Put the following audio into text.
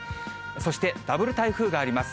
そしてダブル台風があります。